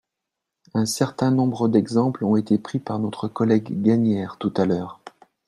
Un certain nombre d’exemples ont été pris par notre collègue Gagnaire tout à l’heure.